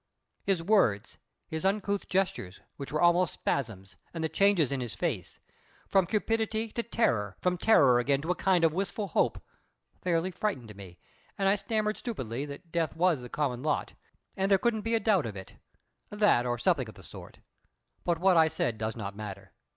His words, his uncouth gestures, which were almost spasms, and the changes in his face from cupidity to terror, and from terror again to a kind of wistful hope fairly frightened me, and I stammered stupidly that death was the common lot, and there couldn't be a doubt of it; that or something of the sort. But what I said does not matter.